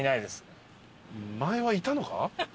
前はいたのか？